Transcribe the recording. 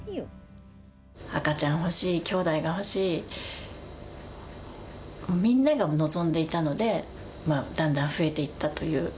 赤ちゃん欲しい、きょうだいが欲しい、みんなが望んでいたので、だんだん増えていったという。